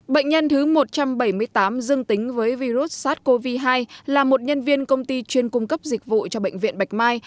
bệnh nhân thứ một trăm bảy mươi tám dương tính với virus sars cov hai là một nhân viên công ty chuyên cung cấp dịch vụ cho bệnh viện bạch mai